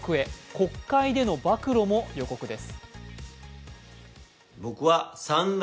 国会での暴露も予告です。